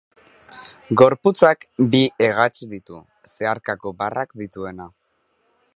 Gorputzak bi hegats ditu, zeharkako barrak dituena.